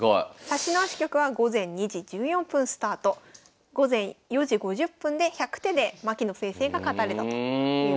指し直し局は午前２時１４分スタート午前４時５０分で１００手で牧野先生が勝たれたということです。